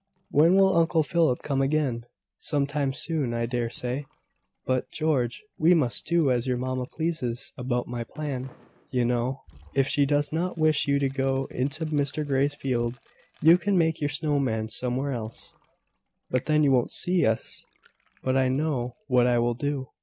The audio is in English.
When will Uncle Philip come again?" "Some time soon, I dare say. But, George, we must do as your mamma pleases about my plan, you know. If she does not wish you to go into Mr Grey's field, you can make your snow man somewhere else." "But then you won't see us. But I know what I will do.